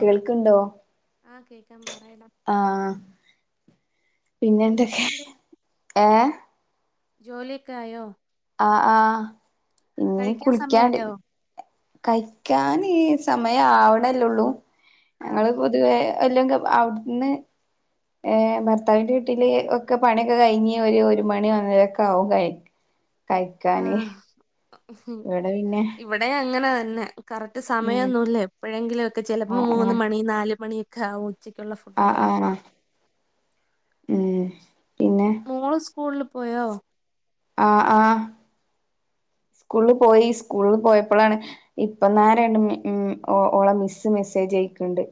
കേൾക്കുണ്ടോ ആ കേകമ്പ ആ പിന്നെ ന്തക്കെ എന്തൊക്കെയുണ്ട് ഏ ജോലിയൊക്കായോ അ ആ ഇഞ്ഞി കഴിക്കാൻ കുളിക്കാണ്ട് സമയായോ കഴിക്കാന് സമയം ആവുണല്ലള്ളൂ ആ ഞങ്ങള് പൊതുവെ ഇല്ലെങ്ക ആവുടന്ന് ഏ ഭർത്താവിന്റെ വീട്ടില് ഒക്കെ പണിക്കെ കഴിഞ്ഞ് ഒരു ഒരു മണിക്ക ആവും കഴിക്കാ കഴിക്കാന് ഹും ഇവിടെ പിന്നെ ഇവിടെ അങ്ങനെ തന്നെ കറക്റ്റ് ഉം സമയന്നുല്ല എപ്പയെങ്കില്ക്കോ ചെലപ്പോ ആഹ് മൂന്ന് ആഹ് മണി നാല് മണിക്കെ ഉച്ചക്കുള്ള ഫുഡ്‌ ആഹ് കഴിക്കാൻ ആഹ് ഉം പിന്നെ മോള് സ്കൂളില് പോയോ ആ ആ സ്കൂളിൽ പോയി സ്കൂളിൽ പോയപ്പോഴാണ് ഇപ്പന്നരണ്ട് ഉ ഓളെ മിസ് മിസ് ജയ്ക്കണ്ട്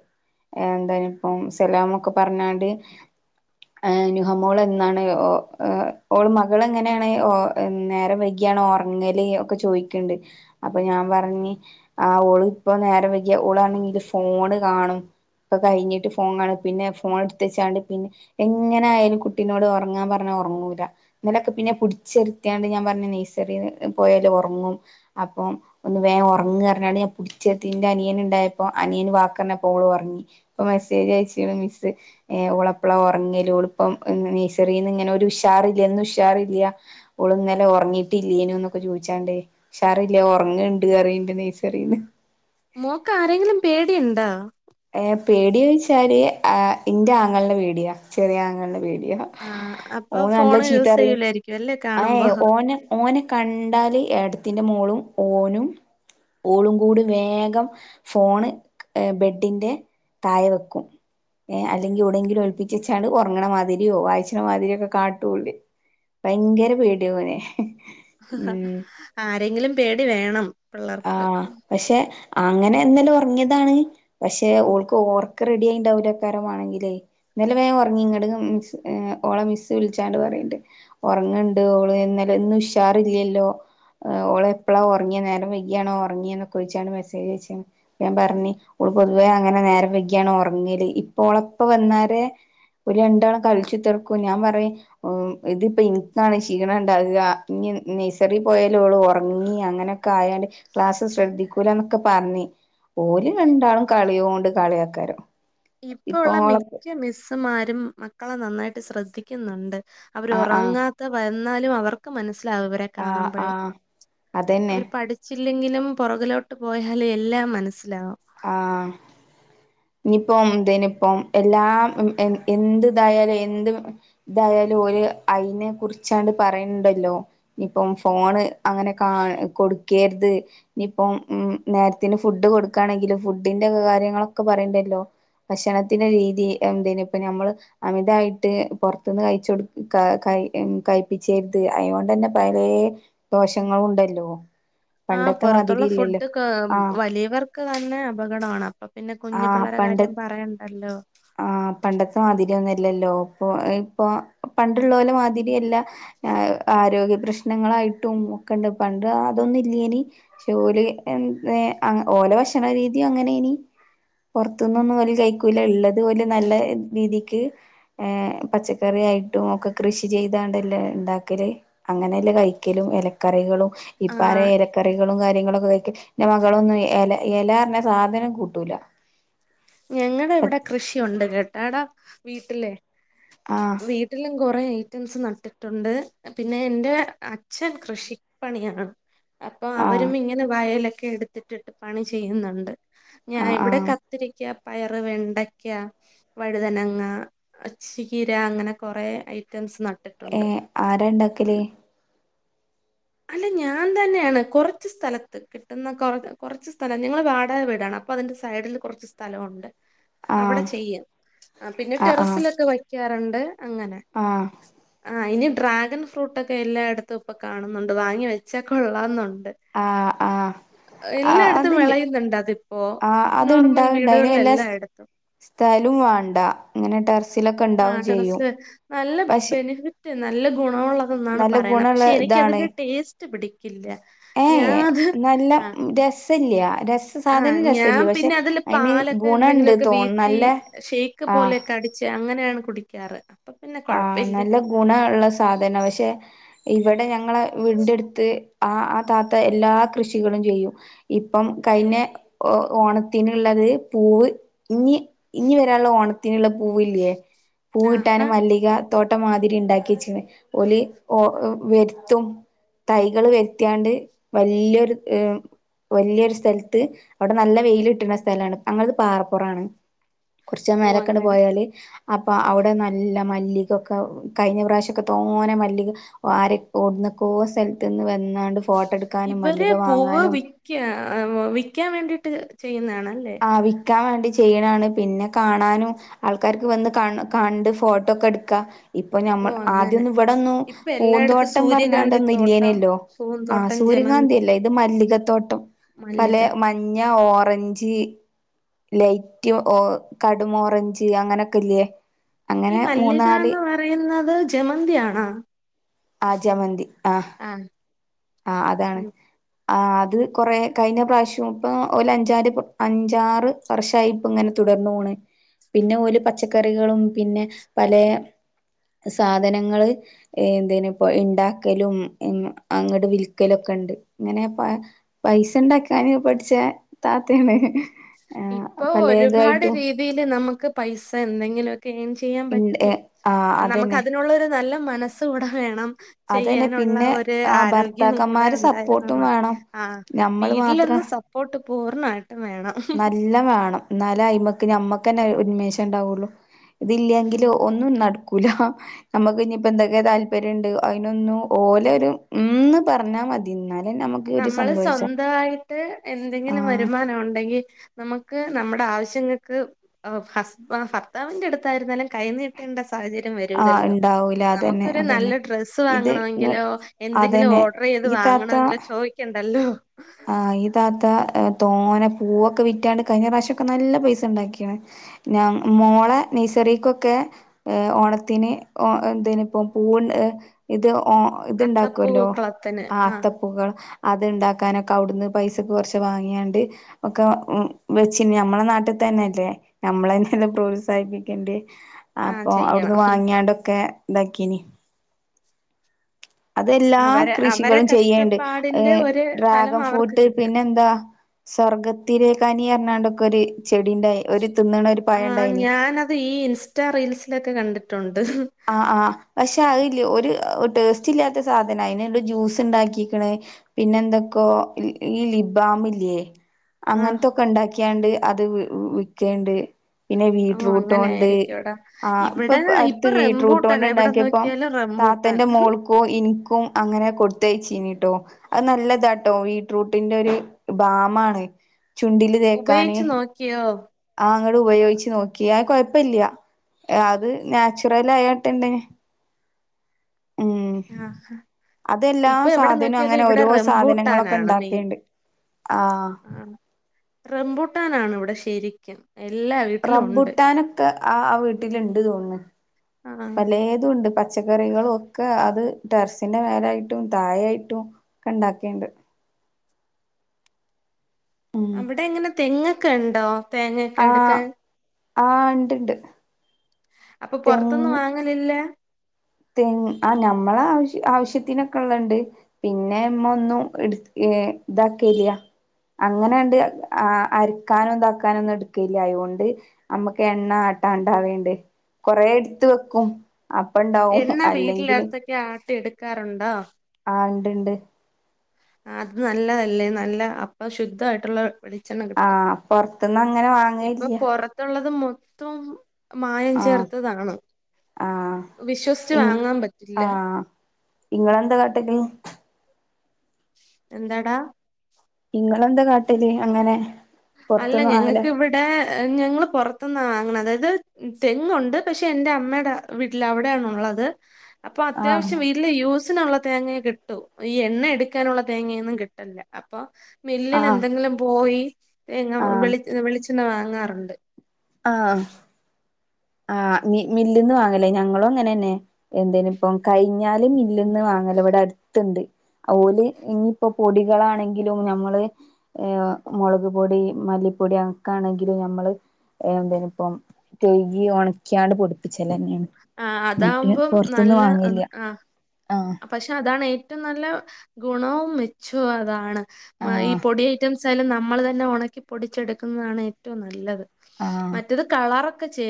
എന്ത ഇപ്പ സലമ ഒക്കെ പറഞ്ഞാണ്ട് നുഹമോൾ എന്നാണ് ഓള് മകൾ എങ്ങനെയാണ്ഒ നേരം വൈകിയാണ് ഓർ ങ്ങല് ഒക്കെ ചോദിക്കണ്ട് അപ്പൊ ഞാൻ പർഞ്ഞ് ആ ഓള് ഇപ്പ നേരം വൈകി ഓള ണെ ങ്കി ഫോണ് കാണും ഇപ്പൊ കഴിഞ്ഞിട്ട് ഫോൺണ പിന്നെ ഫോൺ എടുത്ത വച്ചാണ്ട് പിന്നെ എങ്ങനെ ആയാലും കുട്ടിനോട് ഉറങ്ങാൻ പറഞ്ഞ ഉറങ്ങ എന്നലൊക്കെ പിന്നെ പിടിച്ചെരുത്തിയാണ്ട് ഞാൻ പറഞ്ഞ നെയ്സറി പോയല് ഉറങ്ങും അപ്പൊ ഒന്ന് വേം ഉറങ്ങു കഞ്ഞാണ് ഞാൻ പിടിച്ചതിറെ അനിയന ഉണ്ടായപ്പോ ആനിയന് വാക്ക് പറഞ്ഞാപ്പോ ഓള് ഒ റങ്ങി ഇപ്പ മെസ്സേജ് അയച്ച്ണ് മിസ്സ് ഓള് എപ്പളാ ഒറങ്ങല് ഓള് ഇപ്പം നഴ്റിന്ന് ഇങ്ങനെ ഒരു ഉഷാറില്ല ഇ ന്ന് ഉഷാില്ല ഓള് ഇന്നലെ ഉറങ്ങിട്ടില്ലേന ക്കെ ചോദിച്ചാണ്ടേ ഷാറല്ലേ ഉറങ്ങുണ്ട് കറണ്ട് നെയസറീന്ന് മോക്ക് ആരെങ്കിലും പേടിയുണ്ടോ ഏ പേടിയോഴിച്ചാല് എന്റെ ആങ്ങളുടെ പേടിയാ ചെറിയ ആങ്ങളുടെ പേടിയ ആ അപ്പൊ ഓന് നല്ല ഫോൺ ചീത്ത യൂസ് പറിം ചെയ്യൂലായിരിക്കും അല്ലേ ഏ കാണുമ്പോ ഓന ഓനെ കണ്ടാല് എടു ത്തിന്റെ മോളും ഓനും ഓളും കൂടെ വേഗം ഫോണ് ബെഡ് ട്ടിന്റെ തായ വെക്കും ഏ അല്ലെങ്കിൽ എവിടെയങ്കിലും ഒൽപ്പിച്ച വെച്ചാാണ് ഉറങ്ങണ മാതിരിയോ വായിച്ചണ മാതിരിയ ഒക്കെ കാട്ടൂഓല് ഭയങ്കര പേടിയാ ഓനെ ഉം ആരെങ്കിലും പേടി വേണം ആ പിള്ളേർക്ക് പക്ഷെ അങ്ങനെ എന്താലും ഉറങ്ങിയതാണ് പക്ഷെ ഓൾക്ക് ഓർക്ക റെഡി ആയിണ്ടാവൂല കാരമാണെങ്കിലേ ഇന്നലെ വേഗം ഉറങ്ങി ഇങ്ങട് മിസ്സ്‌ ഓളെ മിസ്സ് വിളിച്ചാണ്ട് പറയണ്ട് ഉറങ്ങണ്ട് ഓള് ഇന്ന് ഉഷാറില്ലല്ലോ ഓളെപ്പളാ ഓ റങ്ങിയ നേരം വ ണോ ഉറങ്ങിൊക്കെിച്ചാണ് മെസ്സേജ് വച്ചത് ഞാൻ പറഞ്ഞൾ പൊതുവേ അങ്ങനെ നേരരെ വെയകിയാണോ ഉറങ്ങി ഇപ്പോ ഓളപ്പ വന്നാരെ ഒരു രണ്ടാളും കളിച്ചു കുതർക്കും ഞാൻ പറയാ ഇതിപ്പോ എനിക്കാണ് ശീണം ഉണ്ടകുക ഇ നഴ്റി പോയാലോള്ളൂ ഉറങ്ങി അങ്ങനെയൊക്കെ ആയാണ്ട് ക്ലാസ് ശ്രദ്ധിക്കൂലന്നൊക്കെ പറഞ്ഞി ഓലും രണ്ടാളും കളിയ കൊണ്ട് കളിയാക്കാരോ ഇപ്പ ഉള്ള മിക്ക മിസ്സുമാരും മക്കളെ നന്നായിട്ട് ശ്രദ്ധിക്കുന്നുണ്ട് അവർ ആ ആ ഉറങ്ങാത്ത വന്നാലും അവർക്ക് മനസ് അവരെ ആ ആ കാണുമ്പോഴേ അതന്നെ അവര് പഠിച്ചില്ലെങ്കിലും പുറകിലോട്ട് പോയ ഹല് എല്ലാ മനസ്സ് ആ ഇനിപ്പോ ഇന്തനിപ്പോം എല്ലാം എന്തായാലും എന്ത് ഇതായാലും അതിനെ കുറിച്ചണ്ട് പറയുന്നുണ്ടല്ലോ ഇപ്പം ഫോണ് അങ്ങനെ കാ കൊടുക്കരുത് ഇനിയിപ്പം ഉ നേരത്തിന് ഫുഡ് കൊടു ക്കാണെങ്കിൽ ഫുഡിന്റെക്കെ കാര്യങ്ങളൊക്കെ പറയണ്ടല്ലോ ഭക്ഷണത്തിന്റെ രീതി എന്ത ഇപ്പ നഞമ്മള് അമിതായിട്ട് പുറത്തുന്ന് കഴിച്ച കൊടു ക ഉ കഴപ്പിച്ചരുത് അയുകൊണ്ട് തന്നെ പല ദോഷങ്ങള ഉണ്ടല്ലോ ആ് പണ്ടത്തെ പുറത്തുള്ള മാതിരില്ലല്ലോ ഫുഡ് ക് ആ വലിയവർക്ക് തന്നെ അപകടമാണ് അപ്പൊ പിന്നെ കുഞ്ഞു പിള്ളേ പണ്ട കാര്യം പറയണ്ടല്ലോ ആ പണ്ടത്തെ മാതിരി ഒന്നുംല്ലല്ലോ ഇപ്പൊ ഇപ്പൊ പണ്ടുള്ള ഓലെ മാതിരിയല്ല ആ ആരോഗ്യ പ്രശ്നങ്ങളായിട്ടും ഒക്കെണ്ട് പണ്ട് അതൊന്നും ഇല്ലേനി ജോലി എ ഓലോ ഭക്ഷണരീതിയും അങ്ങനെ ഇനി പുറത്തന്നൊന്നുംല കഴിക്കൂല ഉള്ളത് അതുപോലെ നല്ല രീതിക്ക് പച്ചക്കറിയായിട്ടും ഒക്കെ കൃഷി കൃഷി ചെയ്താണ്ടല്ലേ ഉണ്ടാക്കൽ അങ്ങനെയല്ലേ കഴിക്കലും ഇലക്കറികളും ഇപ്പം ആഹ് ആരെയും ഇലക്കറികളും കാര്യങ്ങളും കാര്യങ്ങളൊക്കെ ഇന്റെ മകളൊന്നും എല എല പറഞ്ഞ് സാധനം കൂട്ടൂല ഞങ്ങുടെ ഇവിടെ കൃഷിയുണ്ട് കേട്ടാടാ വീട്ടിലേ ആഹ് വീട്ടിലും കൊറയായി റ്റംസ് നട്ടിട്ടുണ്ട് പിന്നെ എറെ അച്ഛൻ കൃഷിപ്പണിയാണ് അപ്പൊ ആഹ് അവരും ഇങ്ങനെ വയലൊക്കെ എടുത്തിട്ടിട്ട് പണി ചെയ്യുന്നുണ്ട് ഞാൻ ആഹ് ഇവിടെ ആഹ് കത്തി പയറ് വെണ്ടയ്ക്ക വഴുതനങ്ങ ചീര അങ്ങനെ കുറ ഐറ്റ സ് ന ഏ ആരാ ഉണ്ടാക്കല് അല്ല ഞാൻ തന്നെയാണ് കുറച്ച് സ്ഥലത്ത് കിട്ടുന്ന കൊ കൊറച്ച് സ്ഥലം നിഞങ്ങള് വാടകെ വീടാണ് അപ്പൊ അതിന്റെ സൈഡിൽ കുറച്ച് സ്ഥലം ഒണ്ട് അവിടെ ആഹ് ചെയ്യും പിന്നെ ആഹ് ആഹ് ടെറസിലൊക്കെ വയ്ക്കാറുണ്ട് അങ്ങനെ ആഹ് ആ ഇനി ഡ്രാഗൺ ഫ്രൂട്ടൊക്കെ എല്ലായിടത്തും ഇപ്പൊ കാണും ണ്ട് വാങ്ങി വെച്ചൊ കൊള്ളാന്നണ്ട് ആഹ് ആഹ് ആഹ് എല്ലായിടത്തും അതില്ലേ വിളയുന്നുണ്ട് അതിപ്പോൊ ആഹ് നോർമൽ വീടുകളില എല്ലായിടത്തും സ്ഥലം വേണ്ട ഇങ്ങനെട്ട ആ ടെറസില് നല്ല പക്ഷെ ബെനിഫിറ്റ് നല്ല ഗുണമുള്ള തന്നാ നല്ല ഗുണള്ള ഇതാണ് ല്ല ഞാാനത് ആഹ ഇല്ലാ രസ സാധനം രസല്ലേ പക്ഷെ അതില് അതിന് പാലൊക്കെ ഗുണണ്ട് എന്തെങ്കിലുമൊക്കെ തോന്ന നല്ല ആ ഠിച്ച അങ്ങനെയാണ് കുടിക്കാറ് അപ്പൊ പിന്നെ ആഹ കൊഴപ്പില്ല നല്ല ഗുണ ഉള്ള സാധന പക്ഷെ ഇവിടെ ഞങ്ങള് വീന്റെടുത്ത് ആ ആ താത്ത എല്ലാ കൃഷികളും ചെയ്യും ഇപ്പം കൈെഞ ഓണത്തിനുള്ള അത് പൂവ് ഇനി ഇനി വരാനുള്ള ഓണത്തിനുള്ള പൂവ ഇല്ലേ ആ ആ അിക തോട്ടം മാതിരി ഉണ്ടാക്കിച്ചിേ ഒഓലി വരുത്തും തൈകള് വരുത്തിാണ്ട് വല്യൊരു വലിയൊരു സ്ഥലത്ത് അവിടെ നല്ല വെയില് കിട്ടുന്ന സ്ഥലാണ് ഞങ്ങലത് പാറപ്പുറാണ് കുറച്ച ഓഹ് മേലക്കണ്ട് അങ്ങനെ പോയാല് അപ്പൊ അവിടെ നല്ല മല്ലികൊക്കെ കഴിഞ്ഞ പ്രാവശ്യംക്കെ തോനെ മല്ലി ആരെ ടുന്നക്കോ സ്ഥലത്ത് വന്നാണ്ട് ഫോട്ടോ എടുക്കാനും ഇവര് മല്ലിക പൂവ് വാങ്ങാനും വിക്ക വിക്കാൻ വേണ്ടിട്ട് ചെയ്യുന്നതാണല്ലേ ഇിക്കാൻ വേണ്ടി ചെയ്യണാണ് പിന്നെ കാണാനും ആൾക്കാർക്ക് വന്ന് കണ്ട് ഫോട്ടോ ക്കെ എടുക്കാ ഇപ്പൊ ഓ ഞമ്മൾ അങ്ങനെ ആദ്യം ഇവിടെൊന്നു ഇപ്പൊ എല്ലായിടത്തും പൂന്തോട്ടം സൂര്യകാന്തി പറഞ്ഞണ്ടൊന്ന തോട്ടം ഇല്ലേനല്ലോ പൂന്തോട്ടം ആസൂ ജമന്തി ദരകാന്തിയല്ലേ ഇത് മല്ലികത്തോട്ടം പല മല്ലിക മഞ്ഞ ഓറഞ്ച് ലൈറ്റ് കടും ഓറഞ്ച് അങ്ങനൊക്കെല്ലേ ഈ അങ്ങനെ മല്ലിക മൂന്നാല് എന്ന് പറയുന്നത് ജമന്തിയാണാ ആ ജമന്തി ആ ആ അതാണ് ഉം. ആ അത് കുറേ കഴിഞ്ഞ പ്രാവശ്യം ഇപ്പ അഞ്ചാ അഞ്ചാറ് വർഷമായിപ്പ ഇങ്ങനെ ർന്നണ് പിന്നെ പച്ചക്കറികളും പിന്നെ പല സാധനങ്ങള്ൾ എന്ത ഇപ്പൊ ഉണ്ടാക്കലും അങ്ങ വിൽക്കലൊക്കെ ഉണ്ട് ഇങ്ങനെ പൈസ ഉണ്ടാക്കാന് പഠിച്ച താത്തയാണ് ആഹ് ഇപ്പൊ ഒരുപാട് പലേതായിട്ടും രീതിയില് നമുക്ക് പൈസ എന്തെങ്കിലും ഗെയിൻ ചെയ്യാൻ ഇണ്ട് പറ്റും ആഹ് നമുക്ക് അതന്നെ അതിനുള്ള ഒരു നല്ല മനസ്സ് കൂടെ വേണം അതന്നെ ചെയ്യാനുള്ള പിന്നെ ഒരു ആഹ് ആരോഗ്യവും കൂടെ ഭർത്താക്കന്മാരെ ഉണ്ടായിരുന്നാ സപ്പോർട്ടും മതി വേണം ആ ഞമ്മള് മാത്രം വീട്ടിലൊന്നും സപ്പോർട്ട് പൂർണ്ണമായിട്ടും വേണം നല്ല വേണം എന്നാല അയിമക്ക് ഞമ്മക്ക്ന്നെ ഉന്മേഷം ഉണ്ടാവുള്ളു ഇതില്ലെങ്കില് ഒന്നും നടക്കൂല നമ്മുക്ക് ഇപ്പോ എന്തൊക്കെ താല്പര്യംണ്ട് അതിനൊന്നും പോലെ ഒരു ഉന്ന് പറഞ്ഞാൽ മതിന്നാൽ നമ്മള് സ്വന്തമായിട്ട് എന്തെങ്കിലും ആഹ് വരുമാനം ഉണ്ടെങ്കി നമുക്ക് നമ്മുടെ ആവശ്യങ്ങൾക്ക് ഭർത്താവിന്റെ അടുത്തായിരുന്നാലും കഴന്ന് കിട്ടേണ്ട സ ആഹ് വല്ലല്ലോ ഇണ്ടാവൂല അതന്നെ നമുക്കൊരു നല്ല അതന്നെ ഡ്രസ്സ് ഇത് ഇങ്ങ് വാങ്ങണെങ്കിലോ എന്തെങ്കിലും അതന്നെ ഓഡർ ചെയ ഏത് ഈ താത്ത വാങ്ങണമെങ്കിലോ ചോദിക്കണ്ടല്ലോ ആഹ് ഇതാത്ത തോനെ പൂവൊക്കെ വിറ്റാണ്ട് കഴിഞ്ഞ പ്രാവശ്യംൊക്കെ നല്ല പൈസ ഉണ്ടാക്കിയാണ് ഞ മോളെ നെയസറക്കൊക്കെ ഓണത്തിന് എന്തപ്പോ ഇത് അത്തപ്പൂ ഇത്ണ്ടാക്കുമല്ലോ കുളത്തിന് ആ ആഹ് അത്തപ്പുകൾ അത്ണ്ടാക്കാനൊെ വിടുന്ന് പൈസക്കെ കുറച്ച് വാങ്ങിയാണ്ട് ഒക്കെ വെച്ച നമ്മെ നാട്ടിൽ തന്നെല്ലേ നമ്മള എന്നെെ പ്രോത്സാഹിപ്പിക്കേണ്ടേ ആഹ് അപ്പൊ ചെയ്യണം അവിടുന്ന് വാങ്ങിയാണ്ടൊക്കെ ഇതാക്കീന് അതെല്ലാ അവരെ അവരെ കൃഷികളും ചെയ്യണ്ട് ഏ കഷ്ടപ്പാടിന്റെ ഒരു ഫലം ഡ്രാഗൺ അവർക്ക് ഫ്രൂട്ട് കിട്ടും പിന്നെന്താ സ്വർഗത്തിലേക്കനി എറണാണ്ടൊക്കെ ഒരു ചെടിണ്ട ഒരു തിുന്നണ ഒരു പഴ ആഹ് ഉണ്ടായിനി ഞാനത് ഈ ഇൻസ്റ്റാ റീൽസിലൊക്കെ കണ്ടിട്ടുണ്ട് ആ ആ പക്ഷെ അ ഒരു ടേസ്റ്റ് ഇല്ലാത്ത സാധന അയിന് ജ്യൂസ് ഉണ്ടാക്കിണ പിന്നെ എന്തൊക്കോ ഈ ലിബാമില്ലേ ആഹ് അങ്ങനത്തൊക്കെ ഉണ്ടാക്കിയാണ്ട് അത് വിക്കണ്ട് പിന്നെ ആഹ് അങ്ങനെ ബീടറൂട്ടുണ്ട് ആയിരിക്കുംടാ ആ ഇപ്പ ഇവിടെ ഇപ്പൊ റംബൂട്ടാൻ എവിടെ ബീറ്റ്‌റൂട്ട്ണ്ട്ണ്ടാക്കിയപ്പോ നോക്കിയാലും റംബൂട്ടാൻ താന്റെ മോക്കോ എനിക്കും അങ്ങനെ കൊടുത്തയച്ചിന് ട്ടോ അത് നല്ലതാട്ടോ ബീറ്റ്‌റൂട്ടിൻ്റെ ഒരു ബാം ആ ണ് ചുണ്ടില് തേക്കന് ഉപയോഗിച്ച് നോക്കിയോ ഉപയോഗിച്ചച്ച് നോക്കിയ കൊഴപ്പില്ല അത് നാച്ചുറൽ ആയട്ട്ണ്ടെ ആ അതെല്ലാ സാധനവും അങ്ങനെ ഓരോ സാധനങ്ങളൊക്കെ റംബൂട്ടാനാണ് മെയിൻ ഉണ്ടാക്കിയണ്ട് ആ റെംബൂട്ടൻ ആണ് ഇവിടെ ശരിക്കും എല്ലാ വീട്ടിലും ഉണ്ട് റമ്പുട്ടാനൊക്കെ ആ ആ വീട്ടില ഇണ്ട് തോന്നന്ന് ആഹ് പലേതു ഉണ്ട് പച്ചക്കറികളും ഒക്കെ അത് ടെർസിന്റെ മേലായിട്ടും തായായിട്ടും ഒക്കെ ഉണ്ടാക്കിണ്ട് ഉം അവിടെ എങ്ങനെ തെങ്ങൊക്കെ ഉണ്ടോ തേങ്ങൊക്കെ എടുക്കാൻ ആഹ ഉണ്ട്ണ്ട് അപ്പൊ പൊറത്തൊന്നും വാങ്ങലില്ല തെങ് ആ നമ്മളെ ആശ്യ ആവശ്യത്തിനൊക്കെ ഉള്ളത്ണ്ട് പിന്നെമ്മ ഒന്നും ദാക്കല അങ്ങനെണ്ട് ആ അരക്കാനോ ഇതാക്കാനോ ഒന്നും എടുക്കല്ല അയതുകൊണ്ട് നമ്മുക്ക് എണ്ണ ട്ട ഉണ്ടാവേണ്ട് കൊറെേ എടുത്ത് വെക്കും അപ്പ് ഉണ്ടാവും എന്നാ വീട്ടിലടുത്തൊക്കെ ആട്ടി എടുക്കാറുണ്ടോ ണ്ട് ണ്ട് അത് നല്ലതല്ലേ നല്ല അപ്പൊ ശുദ്ധായിട്ടുള്ള വെളിച്ചെണ്ണ ആ കിട്ടും പൊറത്തുന്ന് അങ്ങനെ ഇപ്പൊ വാങ്ങലില്ല പൊറത്തുള്ളത് മൊത്തം മായം ആ ചേർത്തതാണ് ആ വിശ്വസിച്ചു ഇ വാങ്ങാൻ പറ്റില്ല ആ ഇങ്ങളെന്താ കാട്ടല് എന്താടാ ഇങ്ങളെന്താ കാട്ടില് അങ്ങനെ അല്ല പൊറത്തുന്ന് വാങ്ങല ഞങ്ങക്ക് ഇവിടെ ഞങ്ങള്ൾ പുറത്തന്നാ വാങ്ങണ അതായത് തെങ്ങുണ്ട് പക്ഷെ എൻറെ അമ്മയുടെ വീട്ടിൽ അവിടെയണള്ളത് അപ്പൊ ആ അത്യാവശ്യം വീട്ടില് യൂസ് ള്ള തേങ്ങ കിട്ടൂ ഈ എണ്ണ എടുക്കാനുള്ള തേങ്ങയൊന്നും കിട്ടല്ല അപ്പൊ ആ മില്ലിൽ എന്തെങ്കിലും പോയിങ്ങളി വിെളിച്ചെണ് വാങ്ങാറുണ്ട് ആ ആ മില്ലന്ന് വാങ്ങലേ ഞങ്ങളും അങ്ങനെ തന്നെ എന്തേന് ഇപ്പ കഴിഞ്ഞാല് മില്ലന്ന് വാങ്ങ അല ഇവിടെ അടുത്തുണ്ട് ഓല് ഇനിയിപ്പോ പൊടികളാണെങ്കിലും ഞമ്മള് മുളക് പൊടി മല്ലി പ്പൊടിയടുക്കണെങ്കില് നമ്മെള് എന്തേണയിപ്പ തേകി അണക്കാണ്ട് പ്പൊടുത്തി. ചെലന്നെയാണ് ആ മെറ്റേ അതാവുമ്പം പൊറത്തൂന്ന് നല്ല വാങ്ങെല്യാ. ആ പക്ഷെ അതാണ് ഏറ്റവും നല്ല ഗുണവും മെച്ചോം അതാണ്. ഈ ആഹ് പൊടി ഐറ്റംസായാലും നമ്മള് തന്നെ ഉണക്കി പൊടിച്ചെടുക്കുന്നതാണ് ഏറ്റവും നല്ലത്. മറ്റേത് കളറൊക്കെ ചേ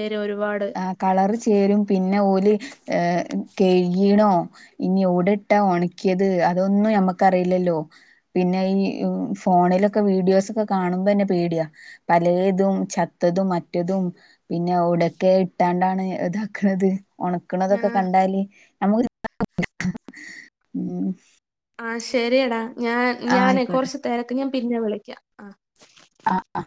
ആ കളറ് ചേരും. പിന്നെ ഓലി ഏ കഴികീണോ ഇനി എവെടിട്ടാ ഒണക്കിയത് അതൊന്നും നമ്മക്കറിയില്ലല്ലോ. പിന്നെ അ ഇ ഫോണിലെക്കെ വീഡിയോസെക്കെ കാണുമ്പം തന്നെ പേടിയാ. പലേതും ചത്ത ത്തും മ റ്റതും പിന്നെയുടെ ക്കെ ഇട്ടേണ്ടാണ് ഇതാക്കണത്. ഉണക്കണതെക്കെ ആഹ് കണ്ടാലേ. നമ്മെക്ക് [unintelligible] ഉം ആ ശെരിയടാ ഞാൻ ആഹ് ഞാനെ ആയിക്കോട്ടെ കൊറച്ചു തെരക്ക് ഞാൻ പിന്നെ വിളിക്കാ ആ ആ ആ